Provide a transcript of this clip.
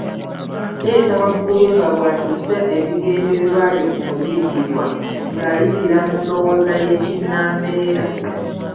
Kiyitawaggulu nga bw’atuusa ebigendererwa bye ku muyiiyizwa ng’ayitira mu ndowooza y’Ekinnambeera: